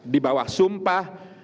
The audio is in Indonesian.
di bawah sumpah